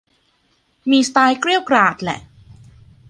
มีสไตล์เกรี้ยวกราดแหละ